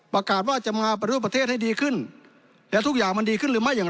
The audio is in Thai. ประกาศว่าจะมาปฏิรูปประเทศให้ดีขึ้นและทุกอย่างมันดีขึ้นหรือไม่อย่าง